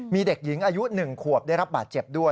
มีเด็กหญิงอายุ๑ขวบได้รับบาดเจ็บด้วย